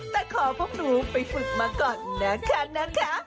แต่ขอพวกหนูไปฝึกมาก่อนนะคะ